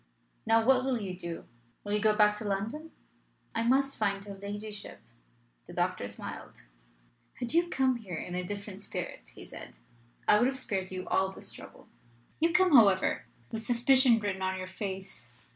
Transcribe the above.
Now what will you do? Will you go back to London?" "I must find her ladyship." The doctor smiled. "Had you come here in a different spirit," he said, "I would have spared you all this trouble. You come, however, with suspicion written on your face.